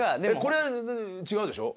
これ違うでしょ？